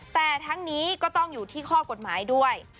แต่ทั้งนี้ก็ต้องอยู่ที่ข้อกฎหมายด้วย